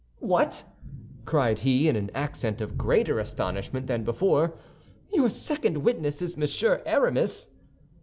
"What!" cried he, in an accent of greater astonishment than before, "your second witness is Monsieur Aramis?"